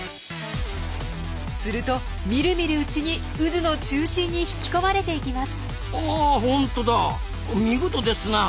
するとみるみるうちに渦の中心に引き込まれていきます。